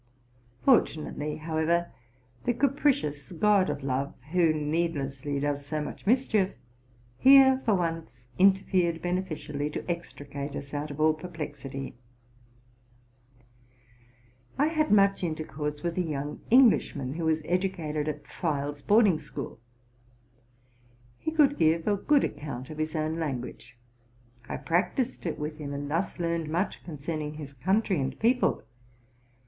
Fortunately, however, the capricious god of love, who needlessly does so much mischief, here for once interfered beneficially, to extricate us out of all perplexity. I had inuch intercourse with a young Englishman who was edu eated in Pfeil's boarding school. He could give a good account of his own language : I practised it with him, | and RELATING TO MY LIFE. 191 thus learned much concerning his country and people.